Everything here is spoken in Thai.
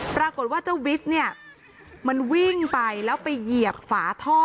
ปรากฏว่าเจ้าวิสเนี่ยมันวิ่งไปแล้วไปเหยียบฝาท่อ